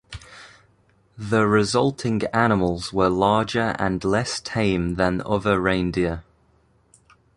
The resulting animals were larger and less tame than other reindeer.